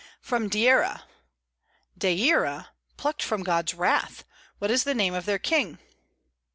"From Deira." "De Ira! ay, plucked from God's wrath. What is the name of their king?"